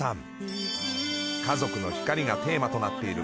家族の光がテーマとなっている